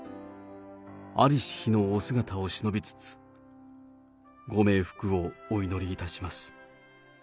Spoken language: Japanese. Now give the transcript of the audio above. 在りし日のお姿をしのびつつ、ご冥福をお祈りいたします。